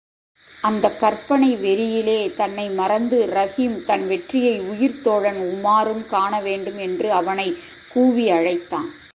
அந்தக் கற்பனை வெறியிலே தன்னை மறந்து ரஹீம் தன் வெற்றியை உயிர்த்தோழன் உமாரும் காணவேண்டும் என்று அவனைக் கூவியழைத்தான்.